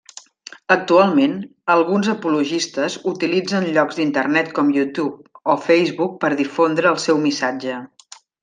Actualment, alguns apologistes utilitzen llocs d'internet com YouTube o Facebook per difondre el seu missatge.